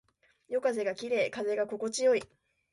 夜空が綺麗。風が心地よい。